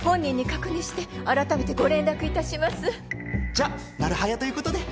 じゃなる早ということで。